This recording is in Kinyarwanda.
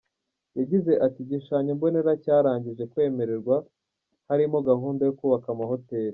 Yagize ati “Igishushanyo mbonera cyarangije kwemererwa, harimo gahunda yo kubaka amahoteli.